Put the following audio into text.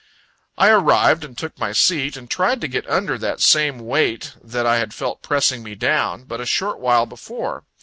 I arrived, and took my seat, and tried to get under that same weight, that I had felt pressing me down, but a short while before.